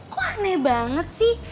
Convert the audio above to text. kok aneh banget sih